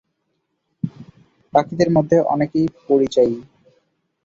পাখিদের মধ্যে অনেকেই পরিযায়ী।